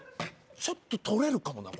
ちょっと取れるかもな